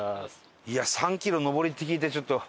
いや３キロ上りって聞いてちょっと。